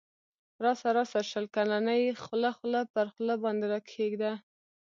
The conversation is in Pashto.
راسه راسه شل کلنی خوله خوله پر خوله باندی راکښېږده